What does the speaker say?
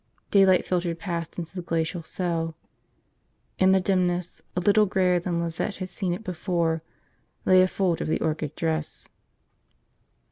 Daylight filtered past into the glacial cell. In the dimness, a little grayer than Lizette had seen it before, lay a fold of the orchid dress.